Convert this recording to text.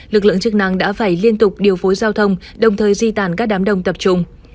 lực lượng chức năng đã phải liên tục điều phối giao thông đồng thời di tản các đám đông tập trung